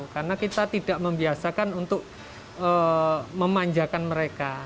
karena kita tidak membiasakan untuk memanjakan mereka